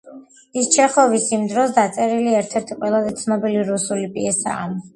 ის ჩეხოვის იმ დროს დაწერილი ერთ-ერთი ყველაზე ცნობილი რუსული პიესაა.